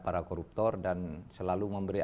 para koruptor dan selalu memberi